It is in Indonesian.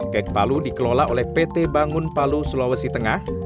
kek palu dikelola oleh pt bangun palu sulawesi tengah